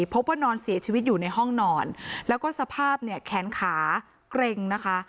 พบว่านอนเสียชีวิตอยู่ในห้องนอนแล้วก็สภาพเนี่ยแขนขาเกร็งนะคะ